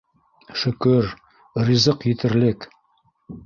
Шөкөр, ризыҡ етерлек.